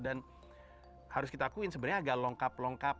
dan harus kita akuin sebenarnya agak lengkap lengkap